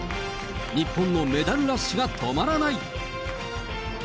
日本のメダルラッシュが止まらない。